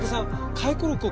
回顧録？